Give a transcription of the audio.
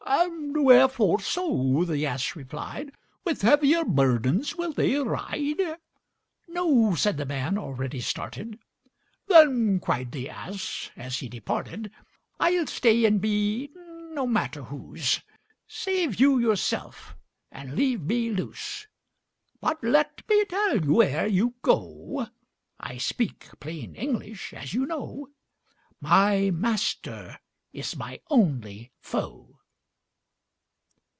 "And wherefore so?" the ass replied; "With heavier burdens will they ride?" "No," said the man, already started. "Then," cried the ass, as he departed "I'll stay, and be no matter whose; Save you yourself, and leave me loose But let me tell you, ere you go, (I speak plain English, as you know,) My master is my only foe."